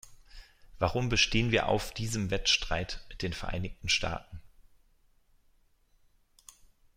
Warum bestehen wir auf diesem Wettstreit mit den Vereinigten Staaten?